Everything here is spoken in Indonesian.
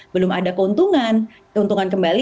belum ada keuntungan keuntungan kembali